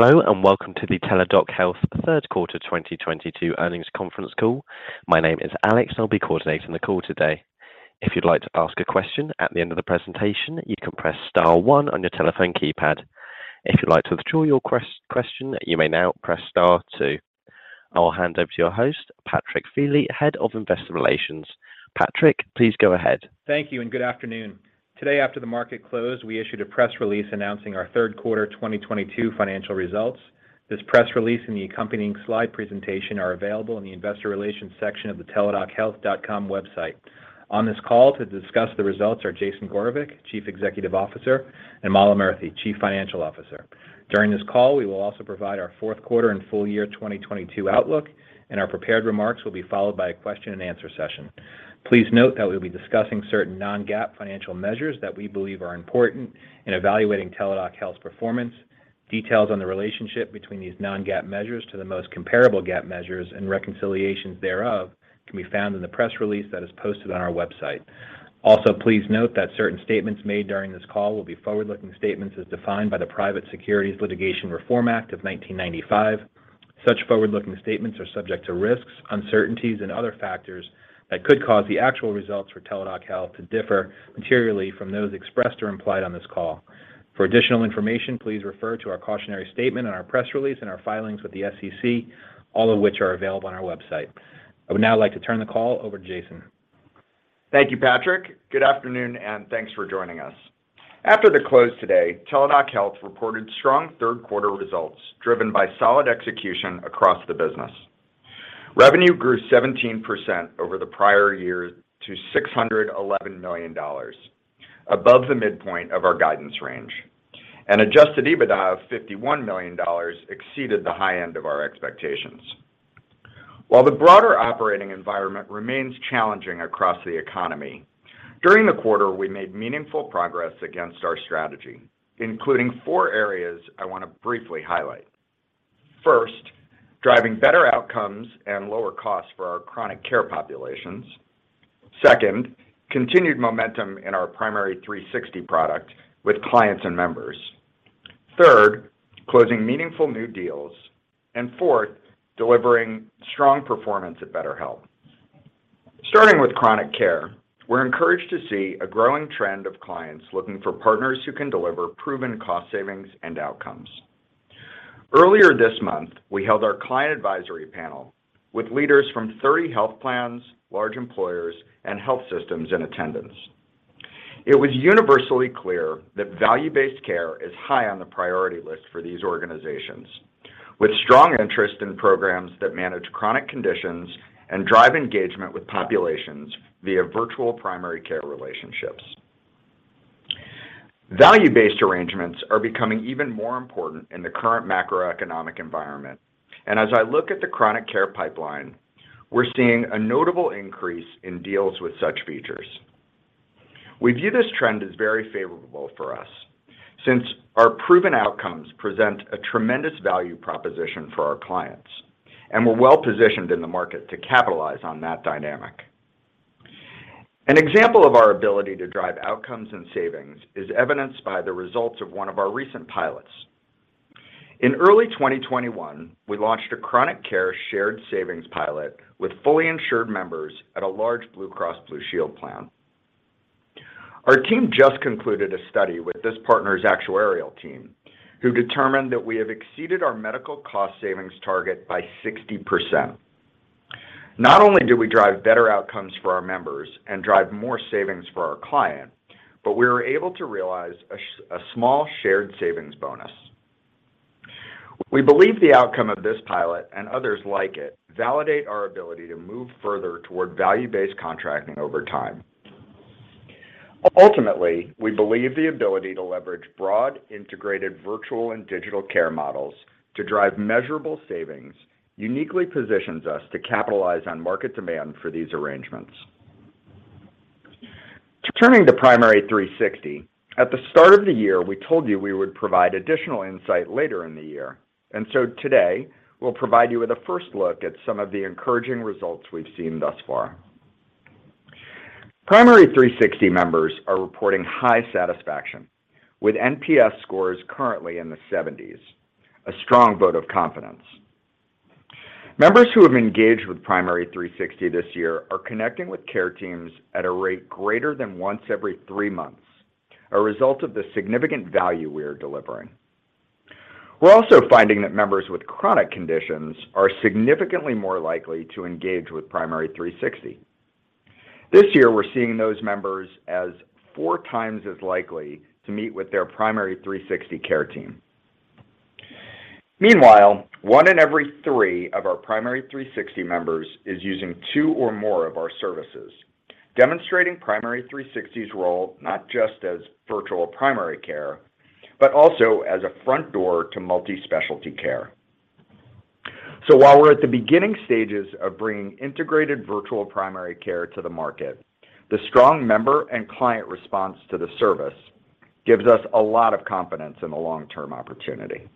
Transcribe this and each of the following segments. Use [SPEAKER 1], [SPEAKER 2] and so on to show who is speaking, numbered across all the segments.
[SPEAKER 1] Hello, and welcome to the Teladoc Health third quarter 2022 earnings conference call. My name is Alex, and I'll be coordinating the call today. If you'd like to ask a question at the end of the presentation, you can press star one on your telephone keypad. If you'd like to withdraw your question, you may now press star two. I will hand over to your host, Patrick Feeley, Head of Investor Relations. Patrick, please go ahead.
[SPEAKER 2] Thank you, and good afternoon. Today, after the market closed, we issued a press release announcing our third quarter 2022 financial results. This press release and the accompanying slide presentation are available in the investor relations section of the teladochealth.com website. On this call to discuss the results are Jason Gorevic, Chief Executive Officer, and Mala Murthy, Chief Financial Officer. During this call, we will also provide our fourth quarter and full year 2022 outlook, and our prepared remarks will be followed by a question and answer session. Please note that we'll be discussing certain non-GAAP financial measures that we believe are important in evaluating Teladoc Health performance. Details on the relationship between these non-GAAP measures to the most comparable GAAP measures and reconciliations thereof can be found in the press release that is posted on our website. Also, please note that certain statements made during this call will be forward-looking statements as defined by the Private Securities Litigation Reform Act of 1995. Such forward-looking statements are subject to risks, uncertainties and other factors that could cause the actual results for Teladoc Health to differ materially from those expressed or implied on this call. For additional information, please refer to our cautionary statement in our press release and our filings with the SEC, all of which are available on our website. I would now like to turn the call over to Jason.
[SPEAKER 3] Thank you, Patrick. Good afternoon, and thanks for joining us. After the close today, Teladoc Health reported strong third quarter results driven by solid execution across the business. Revenue grew 17% over the prior year to $611 million, above the midpoint of our guidance range. An Adjusted EBITDA of $51 million exceeded the high end of our expectations. While the broader operating environment remains challenging across the economy, during the quarter, we made meaningful progress against our strategy, including four areas I wanna briefly highlight. First, driving better outcomes and lower costs for our chronic care populations. Second, continued momentum in our Primary360 product with clients and members. Third, closing meaningful new deals. And fourth, delivering strong performance at BetterHelp. Starting with chronic care, we're encouraged to see a growing trend of clients looking for partners who can deliver proven cost savings and outcomes. Earlier this month, we held our client advisory panel with leaders from 30 health plans, large employers and health systems in attendance. It was universally clear that value-based care is high on the priority list for these organizations with strong interest in programs that manage chronic conditions and drive engagement with populations via virtual primary care relationships. Value-based arrangements are becoming even more important in the current macroeconomic environment. As I look at the chronic care pipeline, we're seeing a notable increase in deals with such features. We view this trend as very favorable for us, since our proven outcomes present a tremendous value proposition for our clients, and we're well positioned in the market to capitalize on that dynamic. An example of our ability to drive outcomes and savings is evidenced by the results of one of our recent pilots. In early 2021, we launched a chronic care shared savings pilot with fully insured members at a large Blue Cross Blue Shield plan. Our team just concluded a study with this partner's actuarial team, who determined that we have exceeded our medical cost savings target by 60%. Not only do we drive better outcomes for our members and drive more savings for our client, but we're able to realize a small shared savings bonus. We believe the outcome of this pilot and others like it validate our ability to move further toward value-based contracting over time. Ultimately, we believe the ability to leverage broad integrated virtual and digital care models to drive measurable savings uniquely positions us to capitalize on market demand for these arrangements. Turning to Primary360, at the start of the year, we told you we would provide additional insight later in the year. Today, we'll provide you with a first look at some of the encouraging results we've seen thus far. Primary360 members are reporting high satisfaction with NPS scores currently in the 70s, a strong vote of confidence. Members who have engaged with Primary360 this year are connecting with care teams at a rate greater than once every three months, a result of the significant value we are delivering. We're also finding that members with chronic conditions are significantly more likely to engage with Primary360. This year, we're seeing those members as four times as likely to meet with their Primary360 care team. Meanwhile, one in every three of our Primary360 members is using two or more of our services, demonstrating Primary360's role not just as virtual primary care, but also as a front door to multi-specialty care. While we're at the beginning stages of bringing integrated virtual primary care to the market, the strong member and client response to the service gives us a lot of confidence in the long-term opportunity.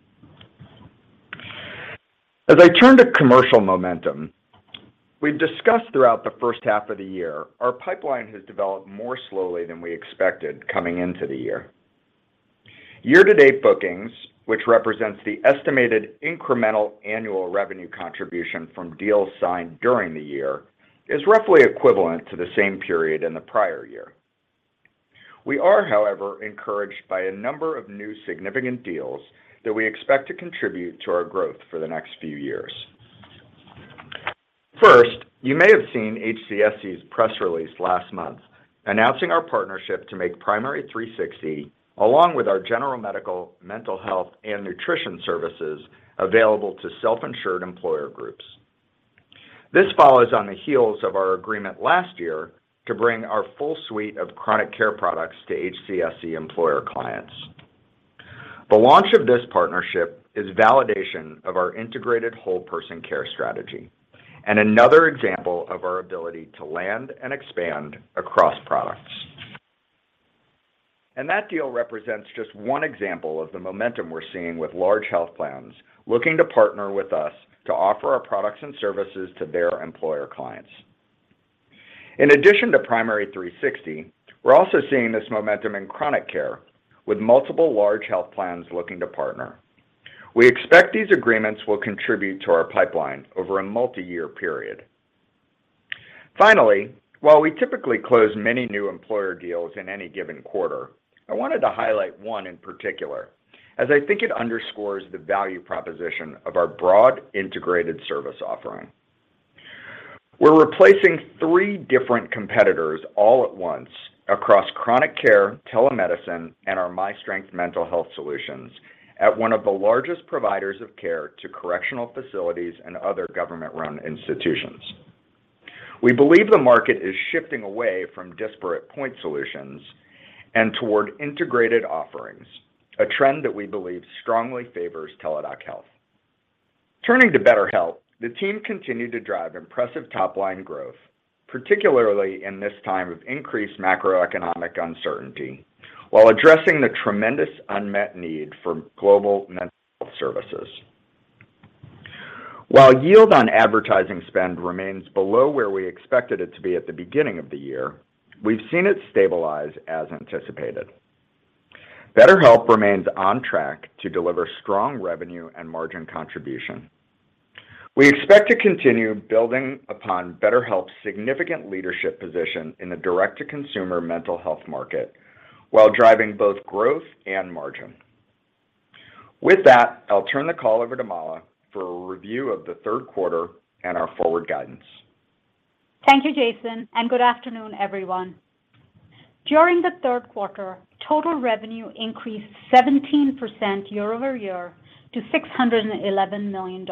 [SPEAKER 3] As I turn to commercial momentum, we've discussed throughout the first half of the year, our pipeline has developed more slowly than we expected coming into the year. Year-to-date bookings, which represents the estimated incremental annual revenue contribution from deals signed during the year, is roughly equivalent to the same period in the prior year. We are, however, encouraged by a number of new significant deals that we expect to contribute to our growth for the next few years. First, you may have seen HCSC's press release last month announcing our partnership to make Primary360, along with our general medical, mental health, and nutrition services, available to self-insured employer groups. This follows on the heels of our agreement last year to bring our full suite of chronic care products to HCSC employer clients. The launch of this partnership is validation of our integrated whole person care strategy and another example of our ability to land and expand across products. That deal represents just one example of the momentum we're seeing with large health plans looking to partner with us to offer our products and services to their employer clients. In addition to Primary360, we're also seeing this momentum in chronic care with multiple large health plans looking to partner. We expect these agreements will contribute to our pipeline over a multiyear period. Finally, while we typically close many new employer deals in any given quarter, I wanted to highlight one in particular, as I think it underscores the value proposition of our broad integrated service offering. We're replacing three different competitors all at once across chronic care, telemedicine, and our myStrength mental health solutions at one of the largest providers of care to correctional facilities and other government-run institutions. We believe the market is shifting away from disparate point solutions and toward integrated offerings, a trend that we believe strongly favors Teladoc Health. Turning to BetterHelp, the team continued to drive impressive top-line growth, particularly in this time of increased macroeconomic uncertainty, while addressing the tremendous unmet need for global mental health services. While yield on advertising spend remains below where we expected it to be at the beginning of the year, we've seen it stabilize as anticipated. BetterHelp remains on track to deliver strong revenue and margin contribution. We expect to continue building upon BetterHelp's significant leadership position in the direct-to-consumer mental health market while driving both growth and margin. With that, I'll turn the call over to Mala for a review of the third quarter and our forward guidance.
[SPEAKER 4] Thank you, Jason, and good afternoon, everyone. During the third quarter, total revenue increased 17% year-over-year to $611 million.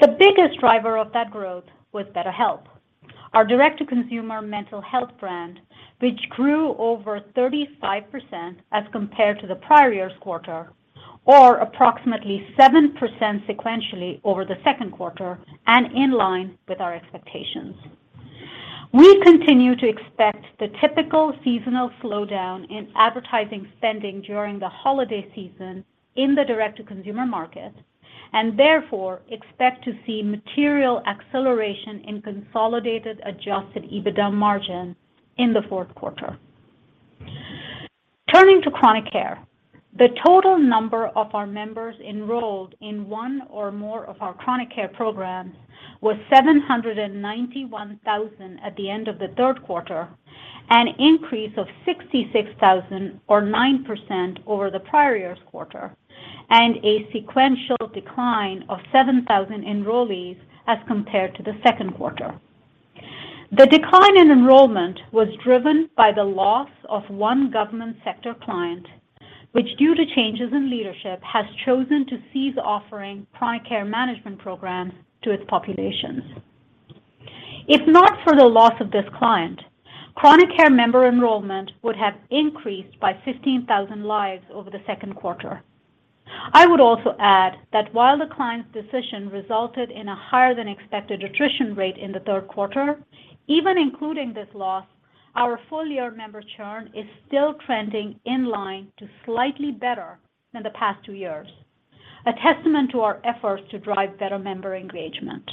[SPEAKER 4] The biggest driver of that growth was BetterHelp, our direct-to-consumer mental health brand, which grew over 35% as compared to the prior year's quarter or approximately 7% sequentially over the second quarter and in line with our expectations. We continue to expect the typical seasonal slowdown in advertising spending during the holiday season in the direct-to-consumer market, and therefore expect to see material acceleration in consolidated adjusted EBITDA margin in the fourth quarter. Turning to chronic care, the total number of our members enrolled in one or more of our chronic care programs was 791,000 at the end of the third quarter, an increase of 66,000 or 9% over the prior year's quarter, and a sequential decline of 7,000 enrollees as compared to the second quarter. The decline in enrollment was driven by the loss of one government sector client, which, due to changes in leadership, has chosen to cease offering chronic care management programs to its populations. If not for the loss of this client, chronic care member enrollment would have increased by 15,000 lives over the second quarter. I would also add that while the client's decision resulted in a higher-than-expected attrition rate in the third quarter, even including this loss, our full-year member churn is still trending in line to slightly better than the past two years, a testament to our efforts to drive better member engagement.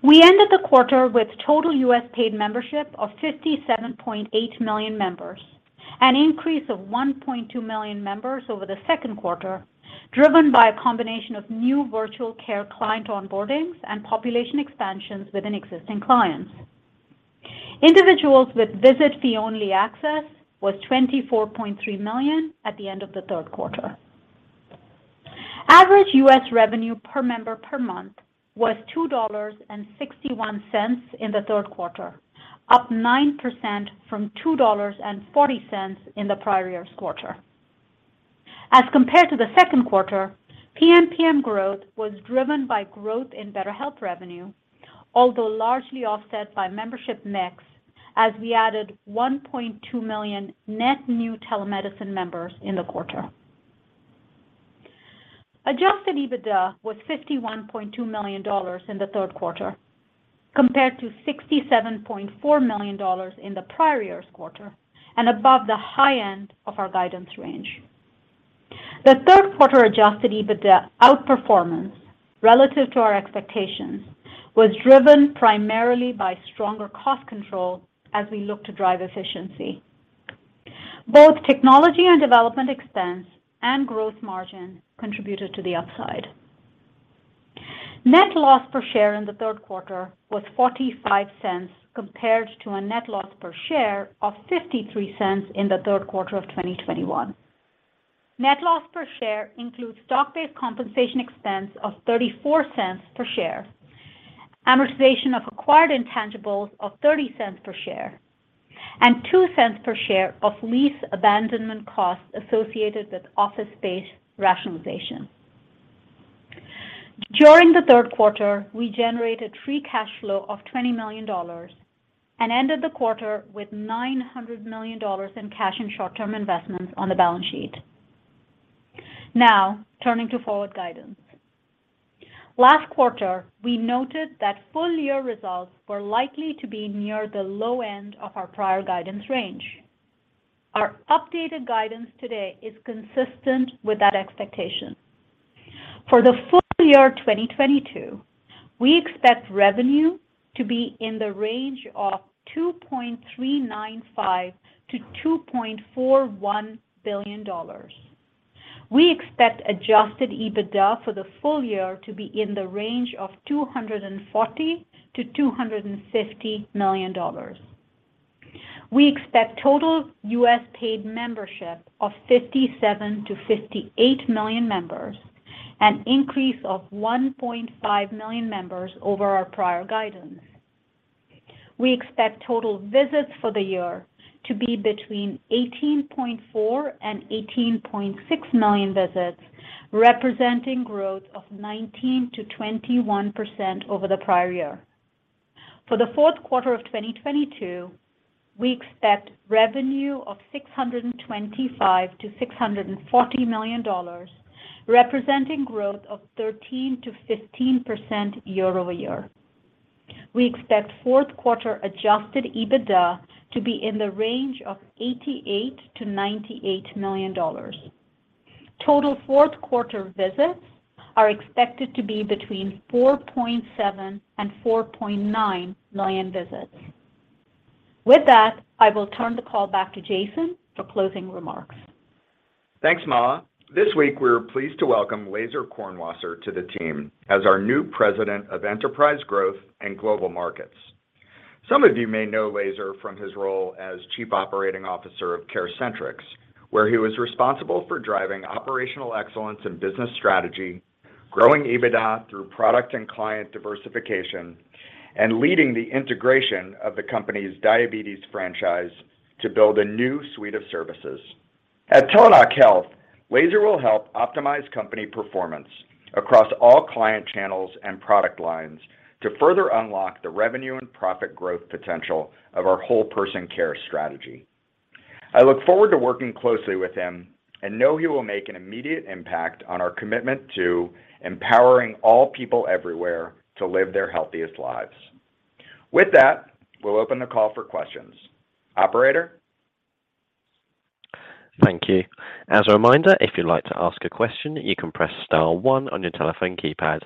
[SPEAKER 4] We ended the quarter with total U.S. paid membership of 57.8 million members, an increase of 1.2 million members over the second quarter, driven by a combination of new virtual care client onboardings and population expansions within existing clients. Individuals with visit fee-only access was 24.3 million at the end of the third quarter. Average U.S. revenue per member per month was $2.61 in the third quarter, up 9% from $2.40 in the prior year's quarter. As compared to the second quarter, PMPM growth was driven by growth in BetterHelp revenue, although largely offset by membership mix as we added 1.2 million net new telemedicine members in the quarter. Adjusted EBITDA was $51.2 million in the third quarter. Compared to $67.4 million in the prior year's quarter and above the high end of our guidance range. The third quarter adjusted EBITDA outperformance relative to our expectations was driven primarily by stronger cost control as we look to drive efficiency. Both technology and development expense and gross margin contributed to the upside. Net loss per share in the third quarter was $0.45 compared to a net loss per share of $0.53 in the third quarter of 2021. Net loss per share includes stock-based compensation expense of $0.34 per share, amortization of acquired intangibles of $0.30 per share, and $0.02 per share of lease abandonment costs associated with office space rationalization. During the third quarter, we generated free cash flow of $20 million and ended the quarter with $900 million in cash and short-term investments on the balance sheet. Now, turning to forward guidance. Last quarter, we noted that full-year results were likely to be near the low end of our prior guidance range. Our updated guidance today is consistent with that expectation. For the full year 2022, we expect revenue to be in the range of $2.395 billion-$2.41 billion. We expect Adjusted EBITDA for the full year to be in the range of $240 million-$250 million. We expect total U.S. paid membership of 57 million-58 million members, an increase of 1.5 million members over our prior guidance. We expect total visits for the year to be between 18.4 million-18.6 million visits, representing growth of 19%-21% over the prior year. For the fourth quarter of 2022, we expect revenue of $625 million-$640 million, representing growth of 13%-15% year-over-year. We expect fourth quarter Adjusted EBITDA to be in the range of $88 million-$98 million. Total fourth quarter visits are expected to be between 4.7 million-4.9 million visits. With that, I will turn the call back to Jason for closing remarks.
[SPEAKER 3] Thanks, Mala. This week, we are pleased to welcome Laizer Kornwasser to the team as our new President of Enterprise Growth and Global Markets. Some of you may know Laizer from his role as Chief Operating Officer of CareCentrix, where he was responsible for driving operational excellence and business strategy, growing EBITDA through product and client diversification, and leading the integration of the company's diabetes franchise to build a new suite of services. At Teladoc Health, Laizer will help optimize company performance across all client channels and product lines to further unlock the revenue and profit growth potential of our whole person care strategy. I look forward to working closely with him and know he will make an immediate impact on our commitment to empowering all people everywhere to live their healthiest lives. With that, we'll open the call for questions. Operator?
[SPEAKER 1] Thank you. As a reminder, if you'd like to ask a question, you can press star one on your telephone keypad.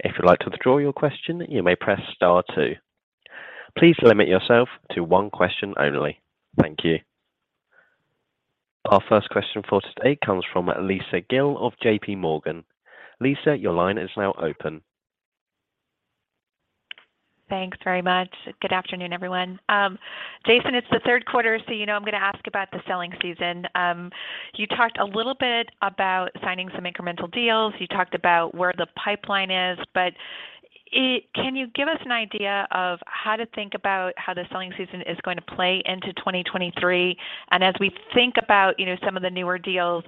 [SPEAKER 1] If you'd like to withdraw your question, you may press star two. Please limit yourself to one question only. Thank you. Our first question for today comes from Lisa Gill of JPMorgan. Lisa, your line is now open.
[SPEAKER 5] Thanks very much. Good afternoon, everyone. Jason, it's the third quarter, so you know I'm gonna ask about the selling season. You talked a little bit about signing some incremental deals. You talked about where the pipeline is. Can you give us an idea of how to think about how the selling season is going to play into 2023? As we think about, you know, some of the newer deals,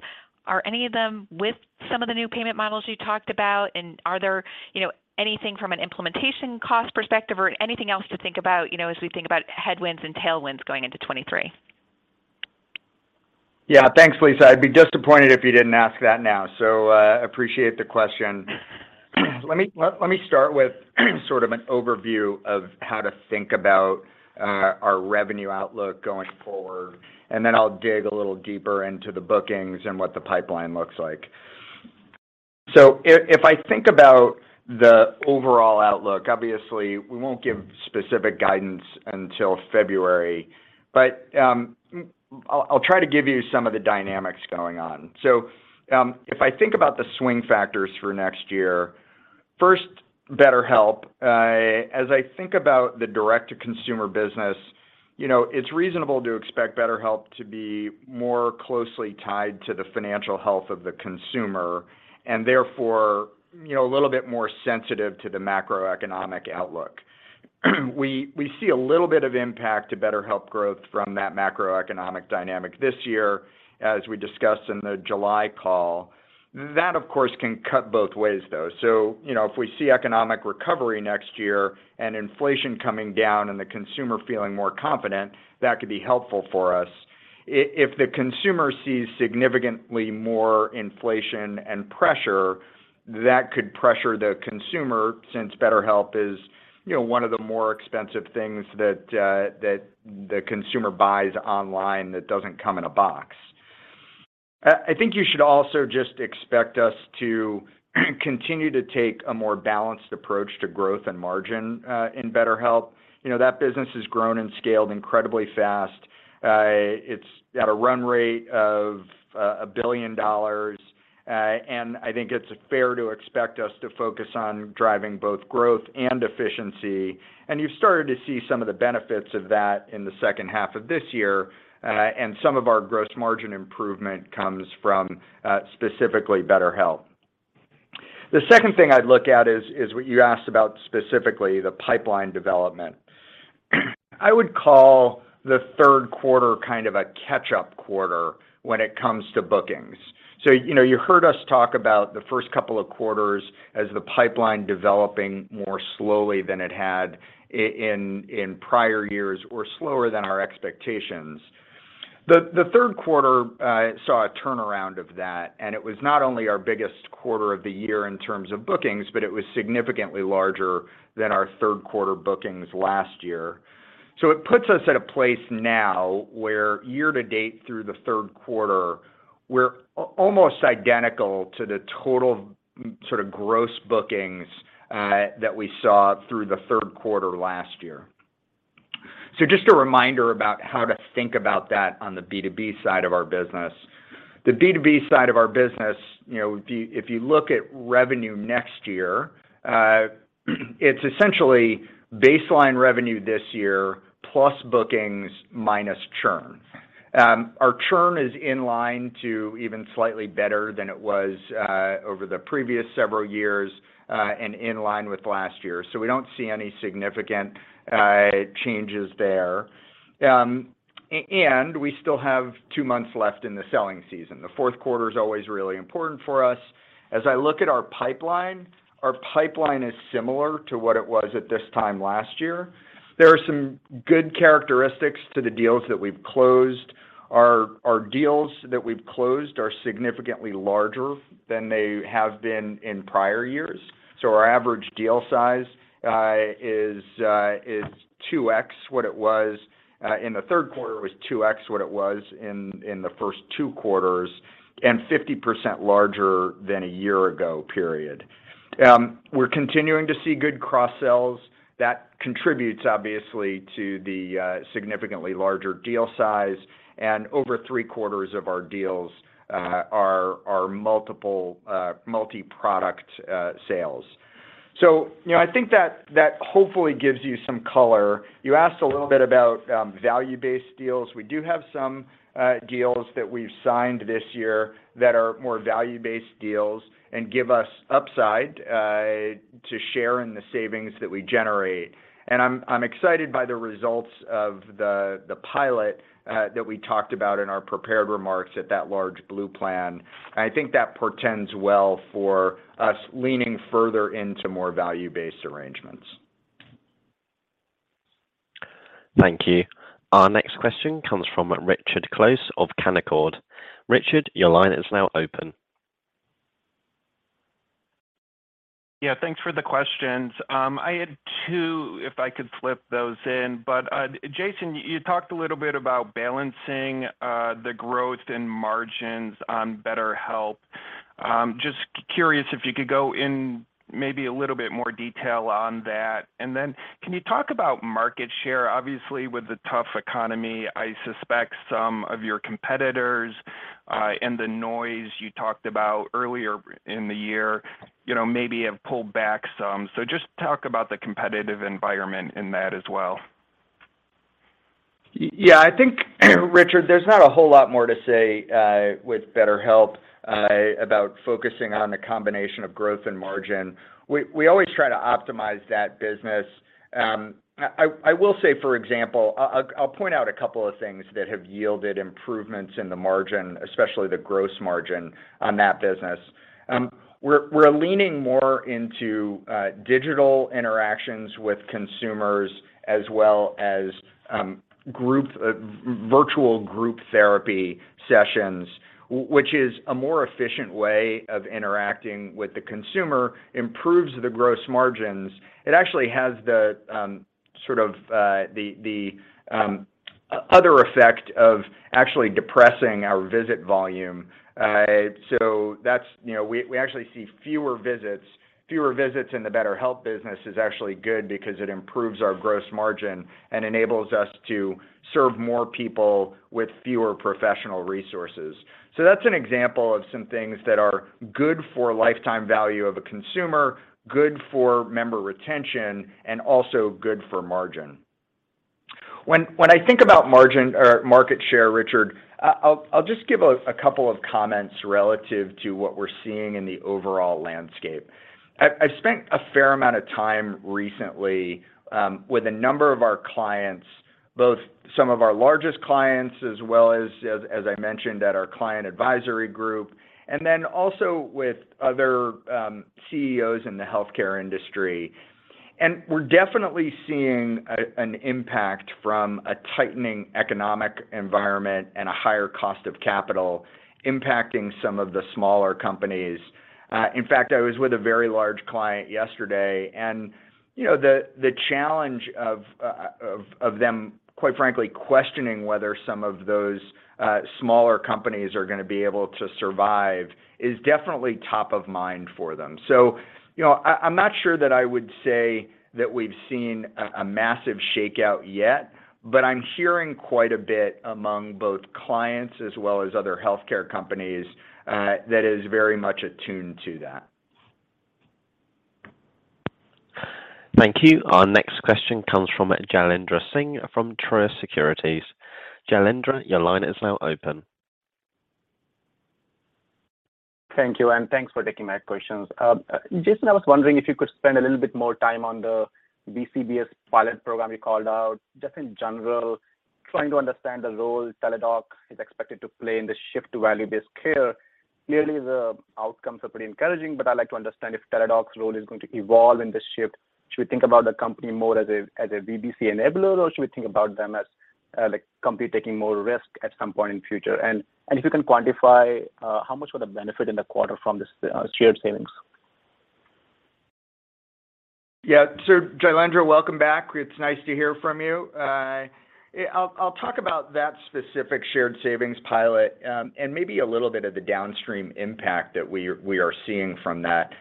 [SPEAKER 5] are any of them with some of the new payment models you talked about? Are there, you know, anything from an implementation cost perspective or anything else to think about, you know, as we think about headwinds and tailwinds going into 2023?
[SPEAKER 3] Yeah. Thanks, Lisa. I'd be disappointed if you didn't ask that now. Appreciate the question. Let me start with sort of an overview of how to think about our revenue outlook going forward, and then I'll dig a little deeper into the bookings and what the pipeline looks like. If I think about the overall outlook, obviously, we won't give specific guidance until February. I'll try to give you some of the dynamics going on. If I think about the swing factors for next year, first, BetterHelp. As I think about the direct-to-consumer business, you know, it's reasonable to expect BetterHelp to be more closely tied to the financial health of the consumer and therefore, you know, a little bit more sensitive to the macroeconomic outlook. We see a little bit of impact to BetterHelp growth from that macroeconomic dynamic this year as we discussed in the July call. That, of course, can cut both ways, though. You know, if we see economic recovery next year and inflation coming down and the consumer feeling more confident, that could be helpful for us. If the consumer sees significantly more inflation and pressure, that could pressure the consumer since BetterHelp is, you know, one of the more expensive things that the consumer buys online that doesn't come in a box. I think you should also just expect us to continue to take a more balanced approach to growth and margin in BetterHelp. You know, that business has grown and scaled incredibly fast. It's at a run rate of $1 billion. I think it's fair to expect us to focus on driving both growth and efficiency. You've started to see some of the benefits of that in the second half of this year, and some of our gross margin improvement comes from, specifically BetterHelp. The second thing I'd look at is what you asked about specifically, the pipeline development. I would call the third quarter kind of a catch-up quarter when it comes to bookings. You know, you heard us talk about the first couple of quarters as the pipeline developing more slowly than it had in prior years or slower than our expectations. The third quarter saw a turnaround of that, and it was not only our biggest quarter of the year in terms of bookings, but it was significantly larger than our third quarter bookings last year. It puts us at a place now where year to date through the third quarter, we're almost identical to the total sort of gross bookings that we saw through the third quarter last year. Just a reminder about how to think about that on the B2B side of our business. The B2B side of our business, you know, if you look at revenue next year, it's essentially baseline revenue this year plus bookings minus churn. Our churn is in line to even slightly better than it was over the previous several years and in line with last year. We don't see any significant changes there. And we still have two months left in the selling season. The fourth quarter is always really important for us. As I look at our pipeline, our pipeline is similar to what it was at this time last year. There are some good characteristics to the deals that we've closed. Our deals that we've closed are significantly larger than they have been in prior years. Our average deal size is 2x what it was in the third quarter, 2x what it was in the first two quarters, and 50% larger than a year-ago period. We're continuing to see good cross sells. That contributes obviously to the significantly larger deal size, and over three-quarters of our deals are multiple multiproduct sales. You know, I think that hopefully gives you some color. You asked a little bit about value-based deals. We do have some deals that we've signed this year that are more value-based deals and give us upside to share in the savings that we generate. I'm excited by the results of the pilot that we talked about in our prepared remarks at that large blue plan. I think that portends well for us leaning further into more value-based arrangements.
[SPEAKER 1] Thank you. Our next question comes from Richard Close of Canaccord. Richard, your line is now open.
[SPEAKER 6] Yeah, thanks for the questions. I had two, if I could slip those in. Jason, you talked a little bit about balancing the growth and margins on BetterHelp. Just curious if you could go into maybe a little bit more detail on that. Can you talk about market share? Obviously, with the tough economy, I suspect some of your competitors and the noise you talked about earlier in the year, you know, maybe have pulled back some. Just talk about the competitive environment in that as well.
[SPEAKER 3] I think, Richard, there's not a whole lot more to say with BetterHelp about focusing on the combination of growth and margin. We always try to optimize that business. I will say, for example, I'll point out a couple of things that have yielded improvements in the margin, especially the gross margin on that business. We're leaning more into digital interactions with consumers as well as virtual group therapy sessions, which is a more efficient way of interacting with the consumer, improves the gross margins. It actually has the sort of other effect of actually depressing our visit volume. That's, you know, we actually see fewer visits. Fewer visits in the BetterHelp business is actually good because it improves our gross margin and enables us to serve more people with fewer professional resources. That's an example of some things that are good for lifetime value of a consumer, good for member retention, and also good for margin. When I think about margin or market share, Richard, I'll just give a couple of comments relative to what we're seeing in the overall landscape. I spent a fair amount of time recently with a number of our clients, both some of our largest clients, as well as I mentioned at our client advisory group, and then also with other CEOs in the healthcare industry. We're definitely seeing an impact from a tightening economic environment and a higher cost of capital impacting some of the smaller companies. In fact, I was with a very large client yesterday, and, you know, the challenge of them, quite frankly, questioning whether some of those smaller companies are gonna be able to survive is definitely top of mind for them. You know, I'm not sure that I would say that we've seen a massive shakeout yet, but I'm hearing quite a bit among both clients as well as other healthcare companies that is very much attuned to that.
[SPEAKER 1] Thank you. Our next question comes from Jailendra Singh from Truist Securities. Jailendra, your line is now open.
[SPEAKER 7] Thank you, and thanks for taking my questions. Jason, I was wondering if you could spend a little bit more time on the BCBS pilot program you called out, just in general trying to understand the role Teladoc is expected to play in the shift to value-based care. Clearly, the outcomes are pretty encouraging, but I'd like to understand if Teladoc's role is going to evolve in this shift. Should we think about the company more as a VBC enabler, or should we think about them as the company taking more risk at some point in the future? If you can quantify how much were the benefit in the quarter from the shared savings?
[SPEAKER 3] Yeah. Jailendra, welcome back. It's nice to hear from you. I'll talk about that specific shared savings pilot, and maybe a little bit of the downstream impact that we are seeing from that.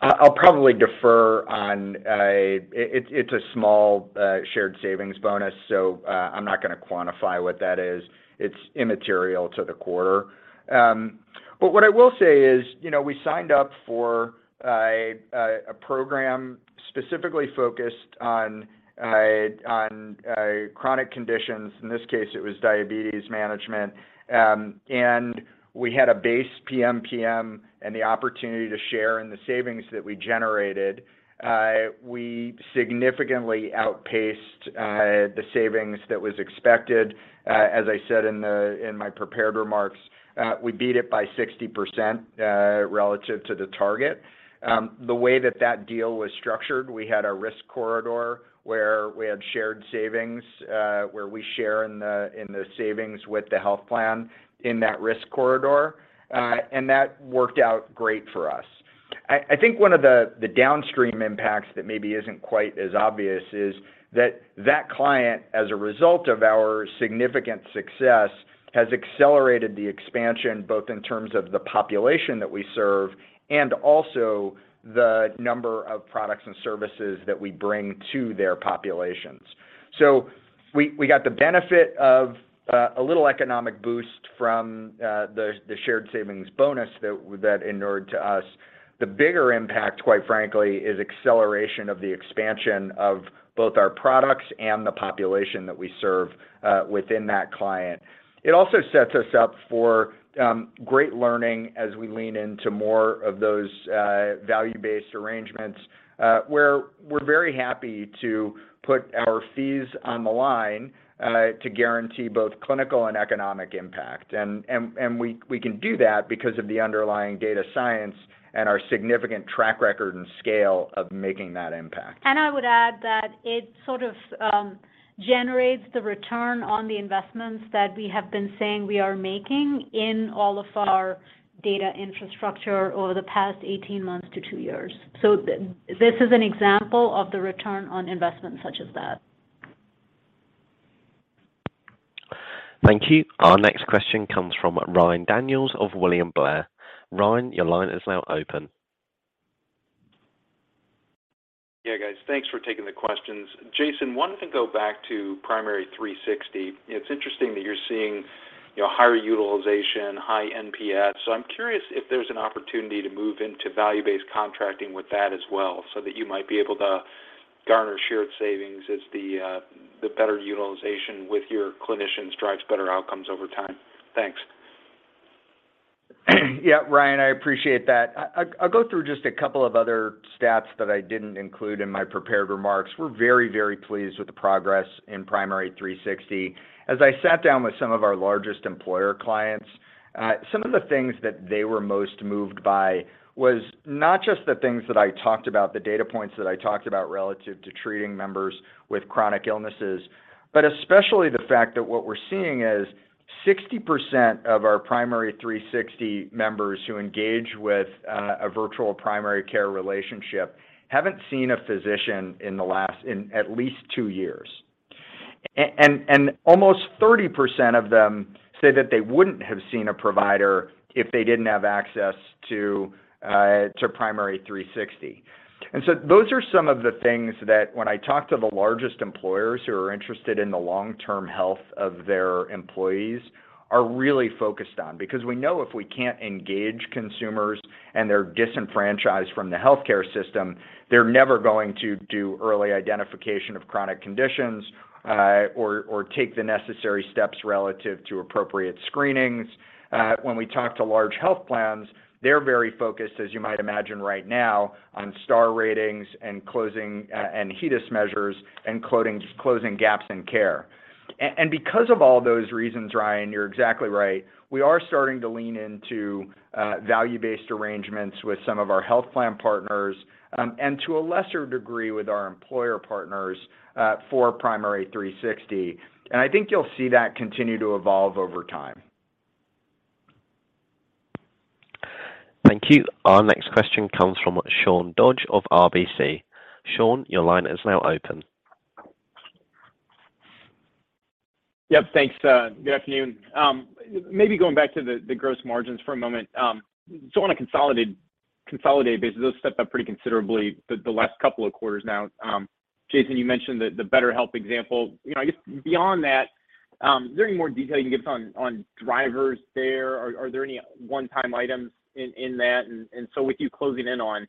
[SPEAKER 3] I'll probably defer on. It's a small shared savings bonus, so I'm not gonna quantify what that is. It's immaterial to the quarter. What I will say is, you know, we signed up for a program specifically focused on chronic conditions, in this case, it was diabetes management, and we had a base PMPM and the opportunity to share in the savings that we generated. We significantly outpaced the savings that was expected. As I said in my prepared remarks, we beat it by 60%, relative to the target. The way that that deal was structured, we had a risk corridor where we had shared savings, where we share in the savings with the health plan in that risk corridor, and that worked out great for us. I think one of the downstream impacts that maybe isn't quite as obvious is that that client, as a result of our significant success, has accelerated the expansion, both in terms of the population that we serve and also the number of products and services that we bring to their populations. We got the benefit of a little economic boost from the shared savings bonus that inured to us. The bigger impact, quite frankly, is acceleration of the expansion of both our products and the population that we serve within that client. It also sets us up for great learning as we lean into more of those value-based arrangements where we're very happy to put our fees on the line to guarantee both clinical and economic impact. We can do that because of the underlying data science and our significant track record and scale of making that impact.
[SPEAKER 4] I would add that it sort of generates the return on the investments that we have been saying we are making in all of our data infrastructure over the past 18 months to 2 years. This is an example of the return on investment such as that.
[SPEAKER 1] Thank you. Our next question comes from Ryan Daniels of William Blair. Ryan, your line is now open.
[SPEAKER 8] Yeah, guys. Thanks for taking the questions. Jason, wanted to go back to Primary360. It's interesting that you're seeing, you know, higher utilization, high NPS, so I'm curious if there's an opportunity to move into value-based contracting with that as well so that you might be able to garner shared savings as the better utilization with your clinicians drives better outcomes over time. Thanks.
[SPEAKER 3] Yeah, Ryan, I appreciate that. I’ll go through just a couple of other stats that I didn’t include in my prepared remarks. We’re very, very pleased with the progress in Primary360. As I sat down with some of our largest employer clients, some of the things that they were most moved by was not just the things that I talked about, the data points that I talked about relative to treating members with chronic illnesses, but especially the fact that what we’re seeing is 60% of our Primary360 members who engage with a virtual primary care relationship haven’t seen a physician in at least two years. And almost 30% of them say that they wouldn’t have seen a provider if they didn’t have access to Primary360. Those are some of the things that when I talk to the largest employers who are interested in the long-term health of their employees are really focused on because we know if we can't engage consumers and they're disenfranchised from the healthcare system, they're never going to do early identification of chronic conditions, or take the necessary steps relative to appropriate screenings. When we talk to large health plans, they're very focused, as you might imagine right now, on star ratings and closing and HEDIS measures and closing gaps in care. Because of all those reasons, Ryan, you're exactly right, we are starting to lean into value-based arrangements with some of our health plan partners, and to a lesser degree with our employer partners, for Primary360. I think you'll see that continue to evolve over time.
[SPEAKER 1] Thank you. Our next question comes from Sean Dodge of RBC. Sean, your line is now open.
[SPEAKER 9] Yep. Thanks. Good afternoon. Maybe going back to the gross margins for a moment. So on a consolidated basis, those stepped up pretty considerably the last couple of quarters now. Jason, you mentioned the BetterHelp example. You know, I guess beyond that, is there any more detail you can give us on drivers there? Are there any one-time items in that? With you closing in on,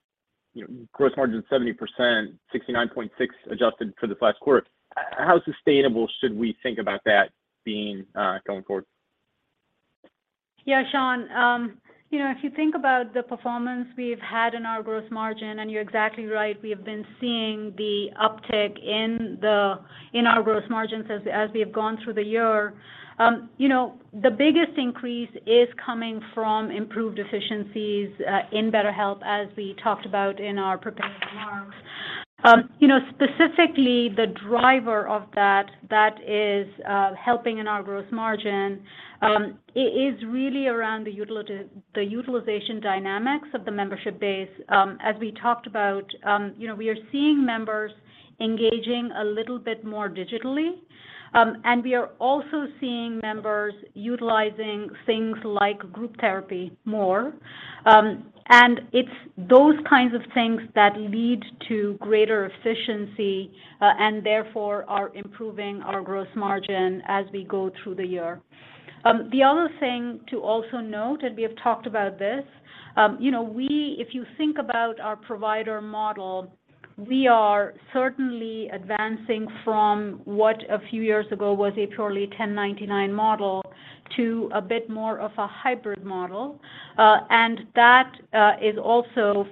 [SPEAKER 9] you know, gross margin 70%, 69.6 adjusted for this last quarter, how sustainable should we think about that being going forward?
[SPEAKER 4] Yeah, Sean. You know, if you think about the performance we've had in our gross margin, and you're exactly right, we have been seeing the uptick in our gross margins as we have gone through the year. You know, the biggest increase is coming from improved efficiencies in BetterHelp, as we talked about in our prepared remarks. You know, specifically the driver of that is helping in our gross margin is really around the utilization dynamics of the membership base. As we talked about, you know, we are seeing members engaging a little bit more digitally. We are also seeing members utilizing things like group therapy more. It's those kinds of things that lead to greater efficiency and therefore are improving our gross margin as we go through the year. The other thing to also note, and we have talked about this, you know, if you think about our provider model, we are certainly advancing from what a few years ago was a purely 1099 model to a bit more of a hybrid model. That is also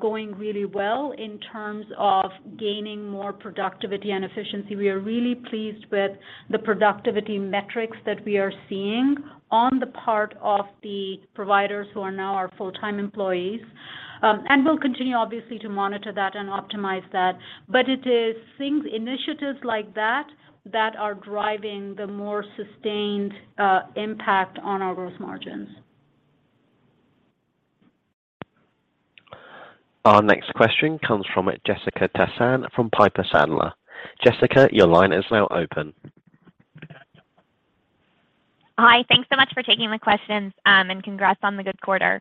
[SPEAKER 4] going really well in terms of gaining more productivity and efficiency. We are really pleased with the productivity metrics that we are seeing on the part of the providers who are now our full-time employees. We'll continue obviously to monitor that and optimize that. It is things, initiatives like that are driving the more sustained impact on our gross margins.
[SPEAKER 1] Our next question comes from Jessica Tassan from Piper Sandler. Jessica, your line is now open.
[SPEAKER 10] Hi. Thanks so much for taking the questions, and congrats on the good quarter.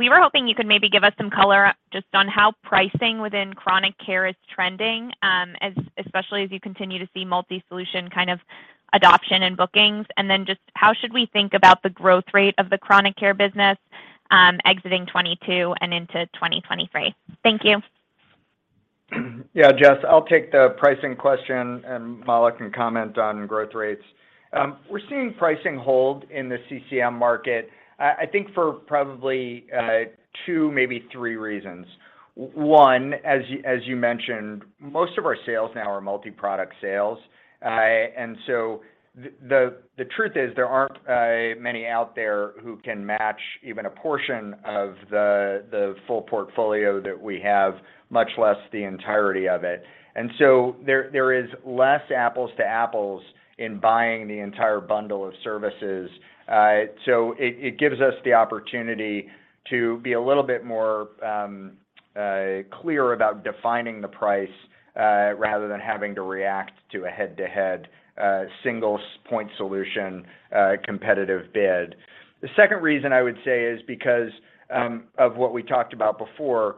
[SPEAKER 10] We were hoping you could maybe give us some color just on how pricing within chronic care is trending, especially as you continue to see multi-solution kind of adoption and bookings. Just how should we think about the growth rate of the chronic care business, exiting 2022 and into 2023? Thank you.
[SPEAKER 3] Yeah, Jessica, I'll take the pricing question, and Mala can comment on growth rates. We're seeing pricing hold in the CCM market. I think for probably two, maybe three reasons. One, as you mentioned, most of our sales now are multi-product sales. The truth is there aren't many out there who can match even a portion of the full portfolio that we have, much less the entirety of it. There is less apples to apples in buying the entire bundle of services. It gives us the opportunity to be a little bit more clear about defining the price, rather than having to react to a head-to-head single-point solution competitive bid. The second reason I would say is because of what we talked about before,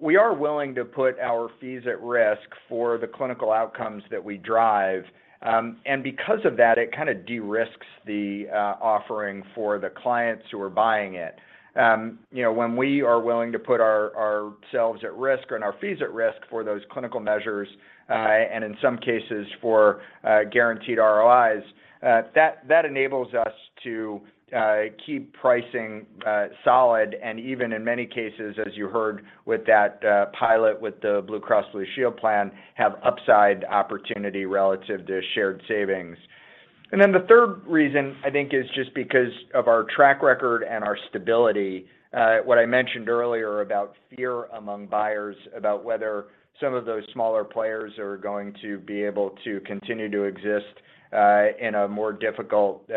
[SPEAKER 3] we are willing to put our fees at risk for the clinical outcomes that we drive. And because of that, it kinda de-risks the offering for the clients who are buying it. You know, when we are willing to put ourselves at risk and our fees at risk for those clinical measures, and in some cases for guaranteed ROIs, that enables us to keep pricing solid, and even in many cases, as you heard with that pilot with the Blue Cross Blue Shield plan, have upside opportunity relative to shared savings. The third reason, I think, is just because of our track record and our stability. What I mentioned earlier about fear among buyers about whether some of those smaller players are going to be able to continue to exist, in a more difficult,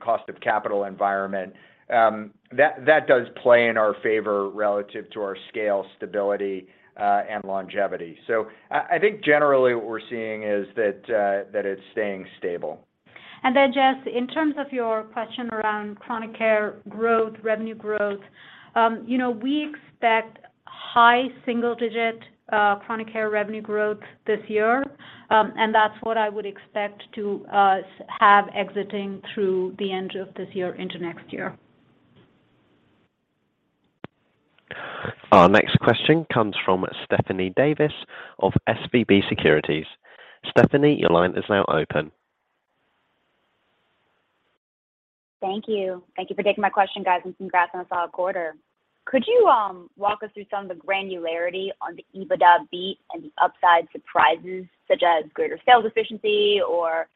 [SPEAKER 3] cost of capital environment. That does play in our favor relative to our scale, stability, and longevity. I think generally what we're seeing is that it's staying stable.
[SPEAKER 4] Jess, in terms of your question around chronic care growth, revenue growth, you know, we expect high single digit chronic care revenue growth this year. That's what I would expect to have exiting through the end of this year into next year.
[SPEAKER 1] Our next question comes from Stephanie Davis of SVB Securities. Stephanie, your line is now open.
[SPEAKER 11] Thank you. Thank you for taking my question, guys, and congrats on a solid quarter. Could you walk us through some of the granularity on the EBITDA beat and the upside surprises, such as greater sales efficiency or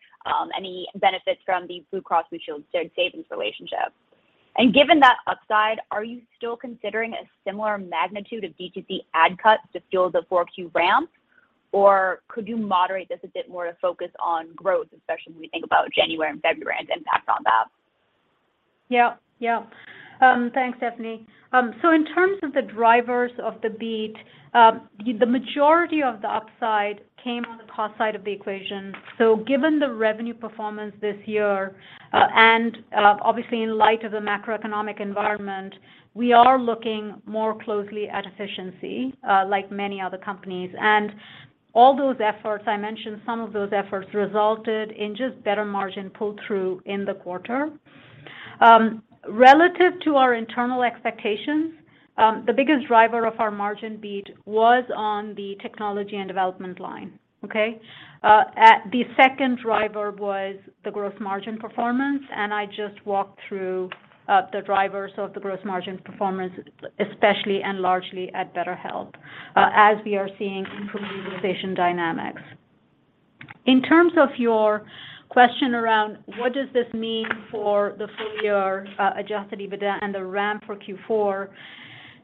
[SPEAKER 11] any benefits from the Blue Cross Blue Shield savings relationship? Given that upside, are you still considering a similar magnitude of D2C ad cuts to fuel the 4Q ramp? Could you moderate this a bit more to focus on growth, especially when we think about January and February and its impact on that?
[SPEAKER 4] Yeah. Yeah. Thanks, Stephanie. In terms of the drivers of the beat, the majority of the upside came on the cost side of the equation. Given the revenue performance this year, and obviously in light of the macroeconomic environment, we are looking more closely at efficiency, like many other companies. All those efforts, I mentioned some of those efforts resulted in just better margin pull-through in the quarter. Relative to our internal expectations, the biggest driver of our margin beat was on the technology and development line. Okay? And the second driver was the gross margin performance, and I just walked through the drivers of the gross margin performance, especially and largely at BetterHelp, as we are seeing improved utilization dynamics. In terms of your question around what does this mean for the full year, Adjusted EBITDA and the ramp for Q4,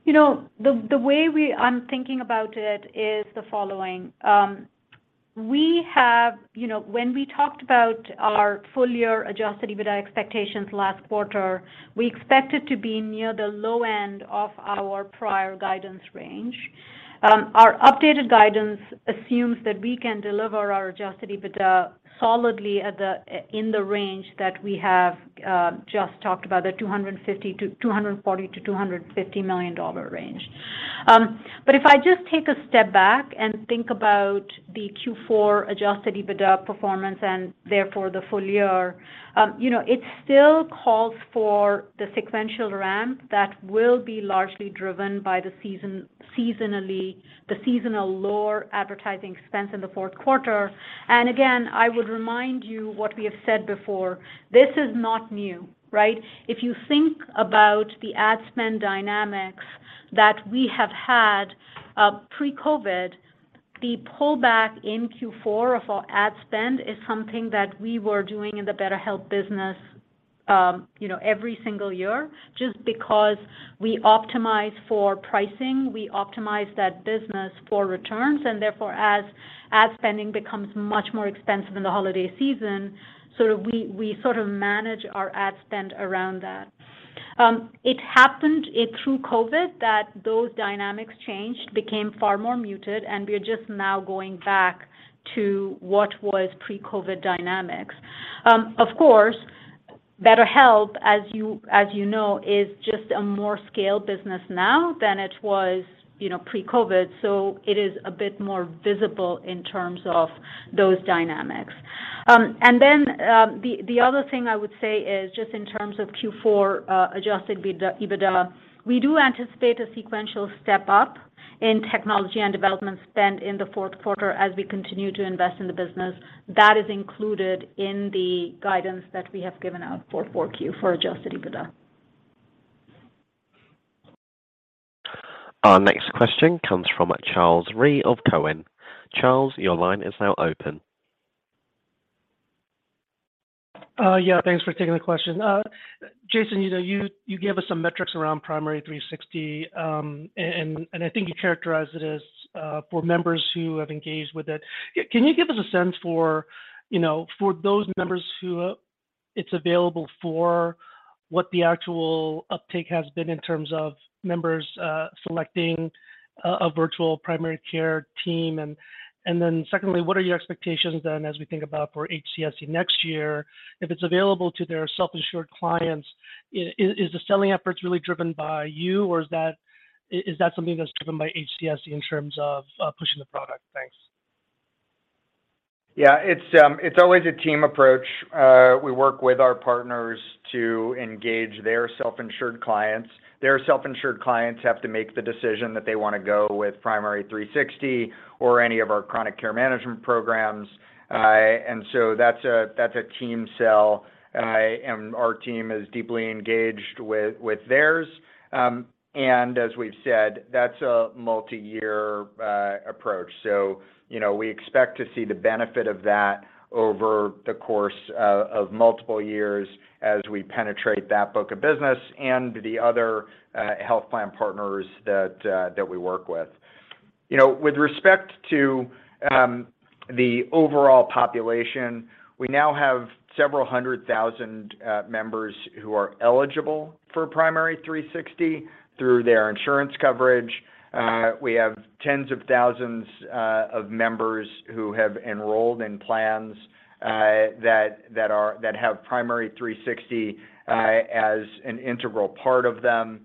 [SPEAKER 4] you know, the way I'm thinking about it is the following. You know, when we talked about our full year Adjusted EBITDA expectations last quarter, we expected to be near the low end of our prior guidance range. Our updated guidance assumes that we can deliver our Adjusted EBITDA solidly in the range that we have just talked about, the $240 million-$250 million range. If I just take a step back and think about the Q4 Adjusted EBITDA performance and therefore the full year, you know, it still calls for the sequential ramp that will be largely driven by the seasonally lower advertising expense in the fourth quarter. Again, I would remind you what we have said before, this is not new, right? If you think about the ad spend dynamics that we have had, pre-COVID, the pullback in Q4 of our ad spend is something that we were doing in the BetterHelp business, you know, every single year, just because we optimize for pricing, we optimize that business for returns, and therefore as ad spending becomes much more expensive in the holiday season, sort of we sort of manage our ad spend around that. It happened through COVID that those dynamics changed, became far more muted, and we are just now going back to what was pre-COVID dynamics. Of course, BetterHelp, as you know, is just a more scaled business now than it was, you know, pre-COVID, so it is a bit more visible in terms of those dynamics. The other thing I would say is just in terms of Q4, adjusted EBITDA, we do anticipate a sequential step up in technology and development spend in the fourth quarter as we continue to invest in the business. That is included in the guidance that we have given out for 4Q for adjusted EBITDA.
[SPEAKER 1] Our next question comes from Charles Rhyee of Cowen. Charles, your line is now open.
[SPEAKER 12] Yeah, thanks for taking the question. Jason, you know, you gave us some metrics around Primary360, and I think you characterized it as for members who have engaged with it. Can you give us a sense for, you know, for those members who it's available for, what the actual uptake has been in terms of members selecting a virtual primary care team? And then secondly, what are your expectations then as we think about for HCSC next year, if it's available to their self-insured clients, is the selling efforts really driven by you, or is that something that's driven by HCSC in terms of pushing the product? Thanks.
[SPEAKER 3] Yeah. It's always a team approach. We work with our partners to engage their self-insured clients. Their self-insured clients have to make the decision that they wanna go with Primary360 or any of our chronic care management programs. That's a team sell. Our team is deeply engaged with theirs. As we've said, that's a multi-year approach. You know, we expect to see the benefit of that over the course of multiple years as we penetrate that book of business and the other health plan partners that we work with. You know, with respect to the overall population, we now have several hundred thousand members who are eligible for Primary360 through their insurance coverage. We have tens of thousands of members who have enrolled in plans that have Primary360 as an integral part of them.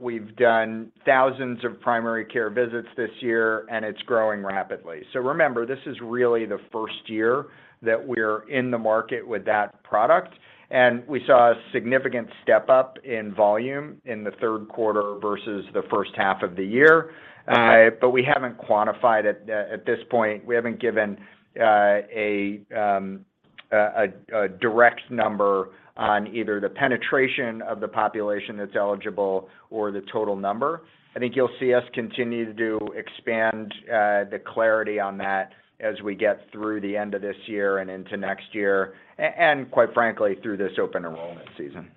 [SPEAKER 3] We've done thousands of primary care visits this year, and it's growing rapidly. Remember, this is really the first year that we're in the market with that product, and we saw a significant step up in volume in the third quarter versus the first half of the year. We haven't quantified it at this point. We haven't given a direct number on either the penetration of the population that's eligible or the total number. I think you'll see us continue to expand the clarity on that as we get through the end of this year and into next year, and quite frankly, through this open enrollment season.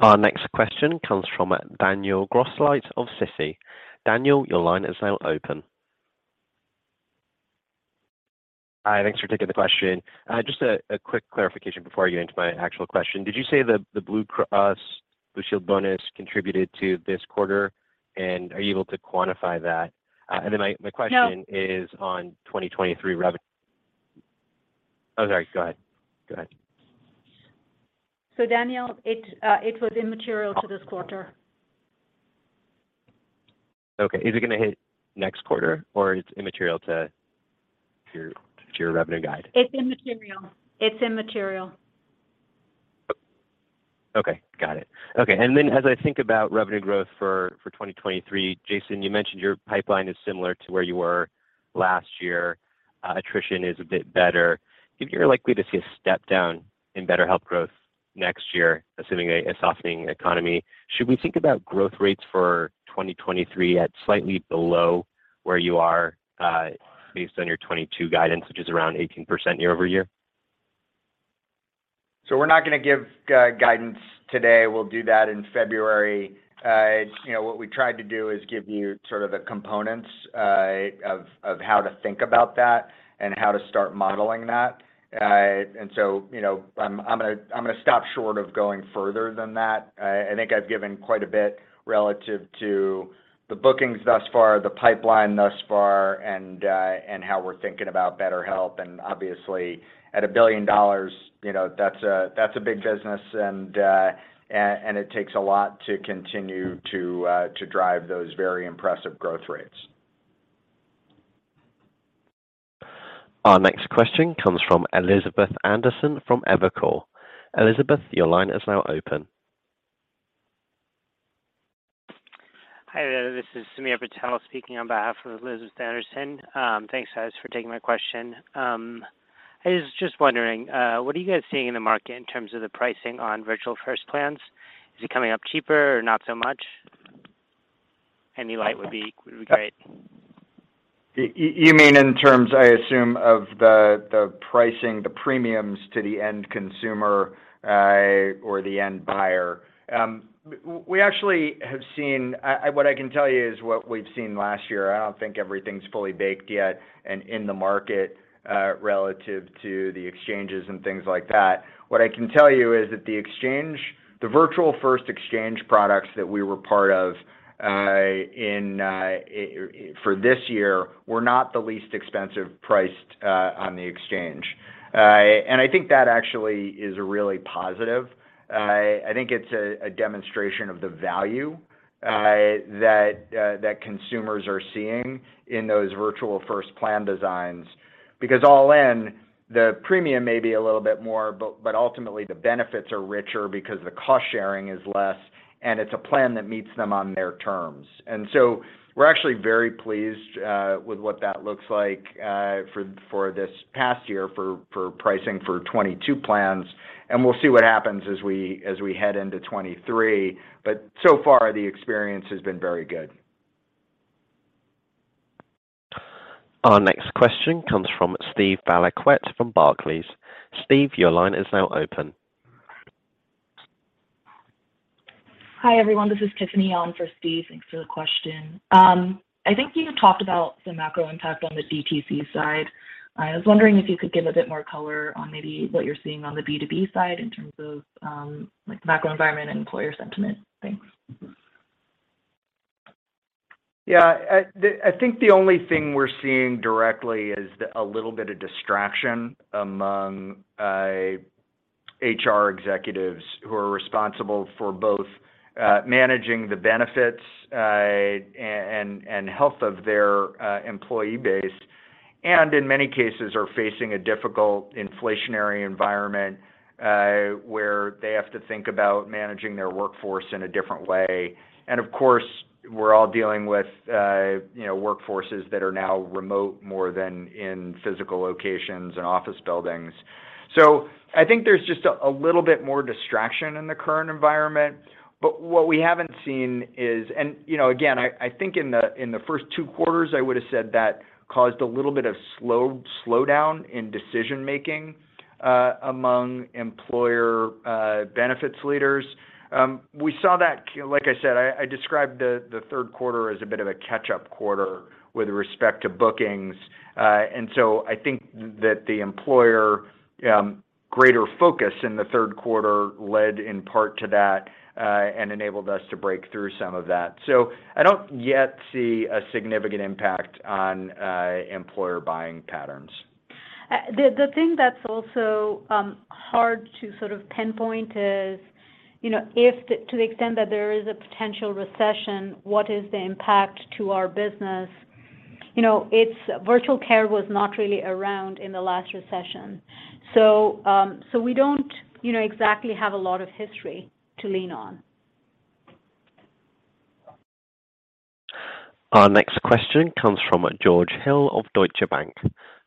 [SPEAKER 1] Our next question comes from Daniel Grosslight of Citi. Daniel, your line is now open.
[SPEAKER 13] Hi. Thanks for taking the question. Just a quick clarification before I get into my actual question. Did you say the Blue Cross Blue Shield bonus contributed to this quarter? Are you able to quantify that? My question-
[SPEAKER 4] No
[SPEAKER 13] is on 2023 revenue. Oh, sorry. Go ahead.
[SPEAKER 4] Daniel, it was immaterial to this quarter.
[SPEAKER 13] Okay. Is it gonna hit next quarter, or it's immaterial to your revenue guide?
[SPEAKER 4] It's immaterial.
[SPEAKER 13] Okay. Got it. Okay. Then as I think about revenue growth for 2023, Jason, you mentioned your pipeline is similar to where you were last year. Attrition is a bit better. You're likely to see a step down in BetterHelp growth next year, assuming a softening economy. Should we think about growth rates for 2023 at slightly below where you are, based on your 2022 guidance, which is around 18% year-over-year?
[SPEAKER 3] We're not gonna give guidance today. We'll do that in February. You know, what we tried to do is give you sort of the components of how to think about that and how to start modeling that. You know, I'm gonna stop short of going further than that. I think I've given quite a bit relative to the bookings thus far, the pipeline thus far, and how we're thinking about BetterHelp. Obviously, at $1 billion, you know, that's a big business and it takes a lot to continue to drive those very impressive growth rates.
[SPEAKER 1] Our next question comes from Elizabeth Anderson from Evercore. Elizabeth, your line is now open.
[SPEAKER 14] Hi there. This is Sameer Patel speaking on behalf of Elizabeth Anderson. Thanks, guys, for taking my question. I was just wondering, what are you guys seeing in the market in terms of the pricing on virtual first plans? Is it coming up cheaper or not so much? Any light would be great.
[SPEAKER 3] You mean in terms, I assume, of the pricing, the premiums to the end consumer, or the end buyer? We actually have seen. What I can tell you is what we've seen last year. I don't think everything's fully baked yet and in the market, relative to the exchanges and things like that. What I can tell you is that the exchange, the virtual first exchange products that we were part of, for this year were not the least expensive priced, on the exchange. I think that actually is really positive. I think it's a demonstration of the value that consumers are seeing in those virtual first plan designs. Because all in, the premium may be a little bit more, but ultimately the benefits are richer because the cost sharing is less, and it's a plan that meets them on their terms. We're actually very pleased with what that looks like for this past year for pricing for 2022 plans, and we'll see what happens as we head into 2023. So far, the experience has been very good.
[SPEAKER 1] Our next question comes from Steven Valiquette from Barclays. Steve, your line is now open.
[SPEAKER 15] Hi, everyone. This is Tiffany on for Steve. Thanks for the question. I think you talked about the macro impact on the DTC side. I was wondering if you could give a bit more color on maybe what you're seeing on the B2B side in terms of, like, the macro environment and employer sentiment. Thanks.
[SPEAKER 3] Yeah. I think the only thing we're seeing directly is a little bit of distraction among HR executives who are responsible for both managing the benefits and health of their employee base, and in many cases are facing a difficult inflationary environment where they have to think about managing their workforce in a different way. Of course, we're all dealing with you know, workforces that are now remote more than in physical locations and office buildings. I think there's just a little bit more distraction in the current environment. What we haven't seen is you know, again, I think in the first two quarters, I would've said that caused a little bit of slowdown in decision-making among employer benefits leaders. We saw that. Like I said, I described the third quarter as a bit of a catch-up quarter with respect to bookings. I think that the employers' greater focus in the third quarter led in part to that and enabled us to break through some of that. I don't yet see a significant impact on employers' buying patterns.
[SPEAKER 4] The thing that's also hard to sort of pinpoint is, you know, if to the extent that there is a potential recession, what is the impact to our business? You know, it's virtual care was not really around in the last recession. We don't, you know, exactly have a lot of history to lean on.
[SPEAKER 1] Our next question comes from George Hill of Deutsche Bank.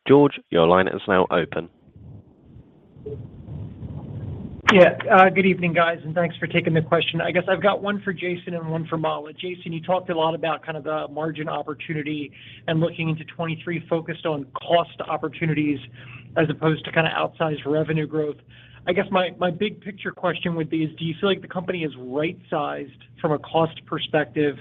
[SPEAKER 1] George, your line is now open.
[SPEAKER 16] Yeah. Good evening, guys, and thanks for taking the question. I guess I've got one for Jason and one for Mala. Jason, you talked a lot about kind of the margin opportunity and looking into 2023 focused on cost opportunities as opposed to kinda outsized revenue growth. I guess my big picture question would be is, do you feel like the company is right-sized from a cost perspective,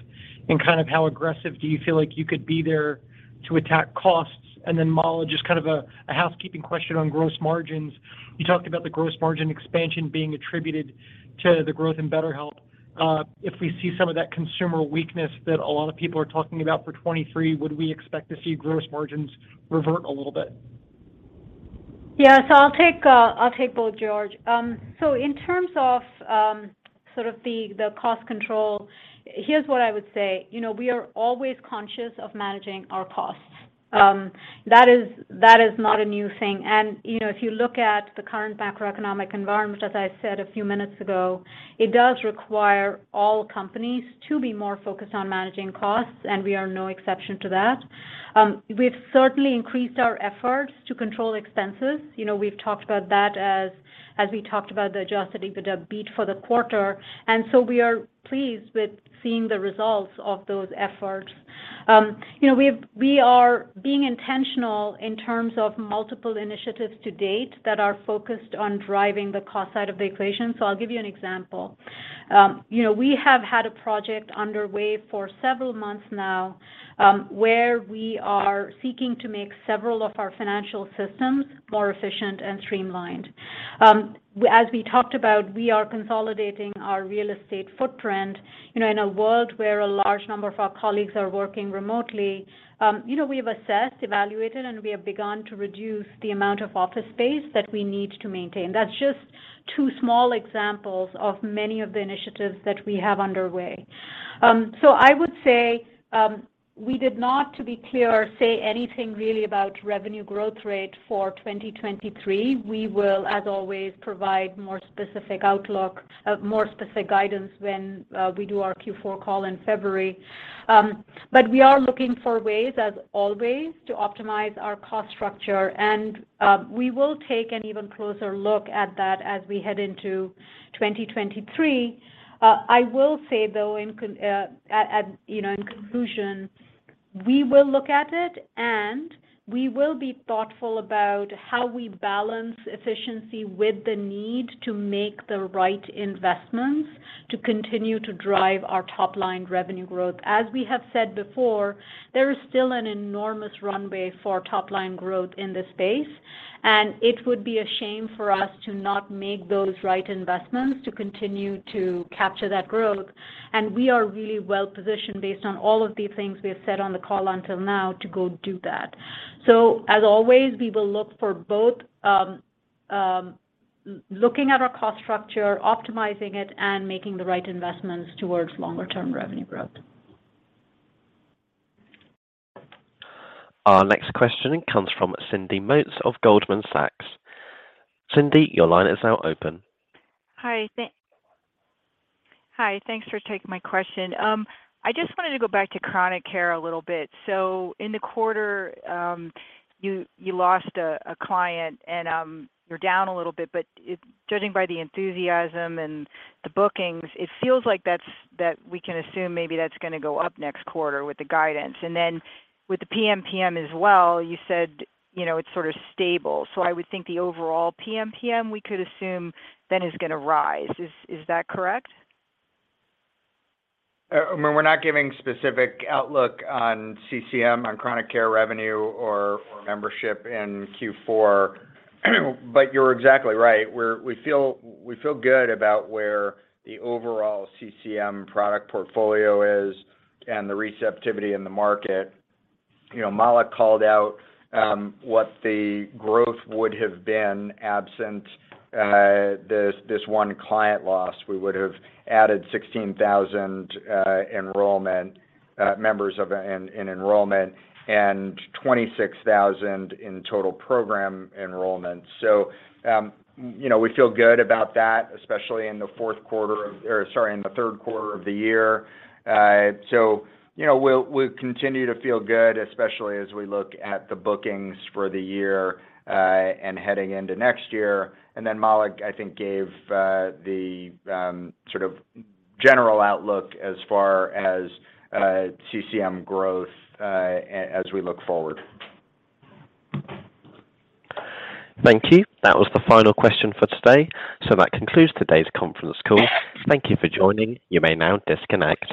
[SPEAKER 16] and kind of how aggressive do you feel like you could be there to attack costs? Mala, just kind of a housekeeping question on gross margins. You talked about the gross margin expansion being attributed to the growth in BetterHelp. If we see some of that consumer weakness that a lot of people are talking about for 2023, would we expect to see gross margins revert a little bit?
[SPEAKER 4] Yeah. I'll take both, George. In terms of sort of the cost control, here's what I would say. You know, we are always conscious of managing our costs. That is not a new thing. You know, if you look at the current macroeconomic environment, as I said a few minutes ago, it does require all companies to be more focused on managing costs, and we are no exception to that. We've certainly increased our efforts to control expenses. You know, we've talked about that as we talked about the Adjusted EBITDA beat for the quarter. We are pleased with seeing the results of those efforts. You know, we are being intentional in terms of multiple initiatives to date that are focused on driving the cost side of the equation. I'll give you an example. You know, we have had a project underway for several months now, where we are seeking to make several of our financial systems more efficient and streamlined. As we talked about, we are consolidating our real estate footprint, you know, in a world where a large number of our colleagues are working remotely. You know, we have assessed, evaluated, and we have begun to reduce the amount of office space that we need to maintain. That's just two small examples of many of the initiatives that we have underway. I would say, we did not, to be clear, say anything really about revenue growth rate for 2023. We will, as always, provide more specific outlook, more specific guidance when, we do our Q4 call in February. We are looking for ways, as always, to optimize our cost structure and we will take an even closer look at that as we head into 2023. In conclusion, we will look at it, and we will be thoughtful about how we balance efficiency with the need to make the right investments to continue to drive our top-line revenue growth. As we have said before, there is still an enormous runway for top-line growth in this space, and it would be a shame for us to not make those right investments to continue to capture that growth, and we are really well-positioned based on all of the things we have said on the call until now to go do that. As always, we will look for both, looking at our cost structure, optimizing it, and making the right investments towards longer term revenue growth.
[SPEAKER 1] Our next question comes from Cindy Motz of Goldman Sachs. Cindy, your line is now open.
[SPEAKER 17] Hi, thanks for taking my question. I just wanted to go back to chronic care a little bit. In the quarter, you lost a client and you're down a little bit, but judging by the enthusiasm and the bookings, it feels like that we can assume maybe that's gonna go up next quarter with the guidance. With the PMPM as well, you said, you know, it's sort of stable. I would think the overall PMPM we could assume then is gonna rise. Is that correct?
[SPEAKER 3] I mean, we're not giving specific outlook on CCM, on chronic care revenue or membership in Q4. You're exactly right. We feel good about where the overall CCM product portfolio is and the receptivity in the market. You know, Mala called out what the growth would have been absent this one client loss. We would have added 16,000 in enrollment and 26,000 in total program enrollment. You know, we feel good about that, especially in the third quarter of the year. You know, we'll continue to feel good, especially as we look at the bookings for the year and heading into next year. Mala, I think, gave the sort of general outlook as far as CCM growth, as we look forward.
[SPEAKER 1] Thank you. That was the final question for today. That concludes today's conference call. Thank you for joining. You may now disconnect.